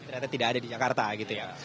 ternyata tidak ada di jakarta gitu ya